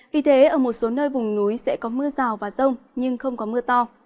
vì thế ở một số nơi vùng núi sẽ có mưa rào và rông nhưng không có mưa to